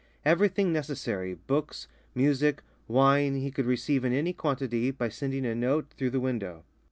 Everything necessary, books, music, wine, he could receive in any quantity by sending a note through the window.